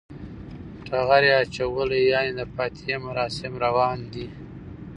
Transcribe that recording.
ټغر یی اچولی یعنی د فاتحی مراسم روان دی